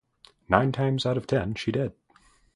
Nine times out of ten, she did.